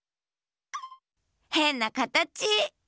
へんなかたち！